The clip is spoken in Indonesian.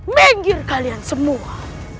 minggir kalian semua